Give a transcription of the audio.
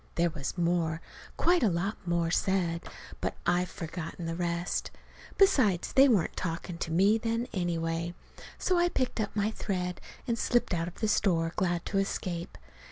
There was more, quite a lot more, said. But I've forgotten the rest. Besides, they weren't talking to me then, anyway. So I picked up my thread and slipped out of the store, glad to escape.